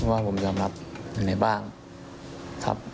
ว่าผมยอมรับในบ้างครับ